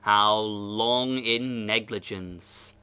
How long in negligence?